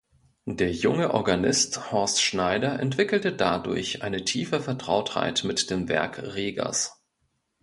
Der junge Organist Horst Schneider entwickelte dadurch eine tiefe Vertrautheit mit dem Werk Regers.